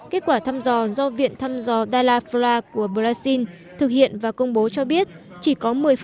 kết quả thăm dò do viện thăm dò dala flora của brazil thực hiện và công bố cho biết chỉ có một mươi